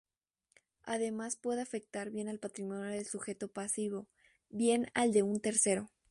Además puede afectar bien al patrimonio del sujeto pasivo, bien al de un tercero.